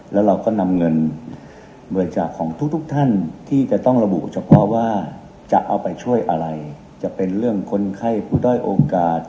แล้วเราก็นำเงินบริจาคของทุกท่านที่จะต้องระบุเฉพาะว่าจะเอาไปช่วยอะไรจะเป็นเรื่องคนไข้ผู้ด้อยโอกาส